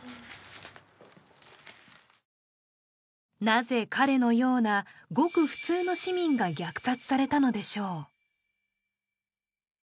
なぜ彼のようなごく普通の市民が虐殺されたのでしょう